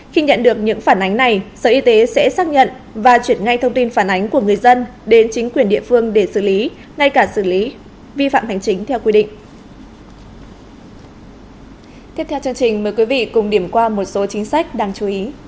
khi nhận được những phản ánh này sở y tế sẽ xác nhận và chuyển ngay thông tin phản ánh của người dân đến chính quyền địa phương để xử lý ngay cả xử lý vi phạm hành chính theo quy định